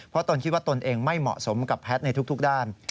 เพราะตนคิดว่าตนเองไม่เหมาะสมกับแพทย์ในทุกด้าน